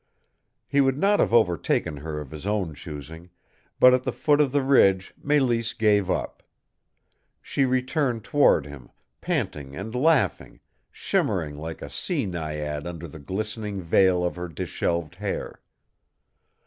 He would not have overtaken her of his own choosing, but at the foot of the ridge Mélisse gave up. She returned toward him, panting and laughing, shimmering like a sea naiad under the glistening veil of her disheveled hair.